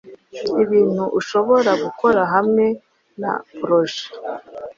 ibintu ushobora gukora hamwe na Project